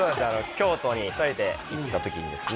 京都に２人で行った時にですね